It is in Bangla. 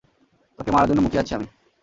তোকে মারার জন্য মুখিয়ে আছি আমি।